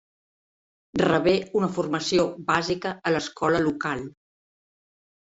Rebé una formació bàsica a l'escola local.